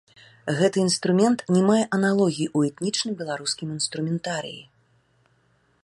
Гэты інструмент не мае аналогій у этнічным беларускім інструментарыі.